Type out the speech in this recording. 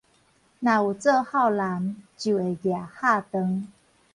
若有做孝男，就會攑孝杖